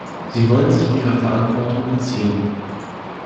Sie wollen sich ihrer Verantwortung entziehen.